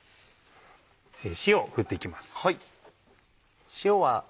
塩を振って行きます。